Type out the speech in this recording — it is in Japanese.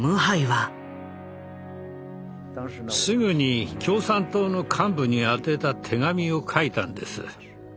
すぐに共産党の幹部に宛てた手紙を書いたんです。